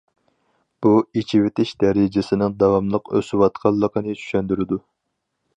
بۇ ئېچىۋېتىش دەرىجىسىنىڭ داۋاملىق ئۆسۈۋاتقانلىقىنى چۈشەندۈرىدۇ.